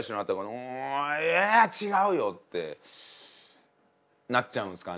「ういや違うよ」ってなっちゃうんですかね。